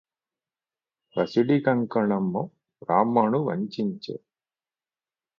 పసిడి కంకణమ్ము బ్రాహ్మణు వంచించె